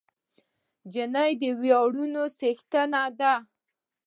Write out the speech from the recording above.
نجلۍ د ویاړونو څښتنه ده.